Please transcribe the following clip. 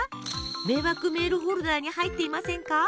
迷惑メールフォルダに入っていませんか？